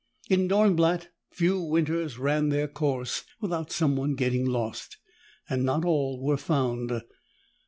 In Dornblatt, few winters ran their course without someone getting lost and not all were found.